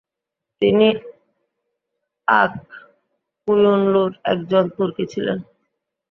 তিনি আক-কুয়ুনলুর একজন তুর্কী ছিলেন।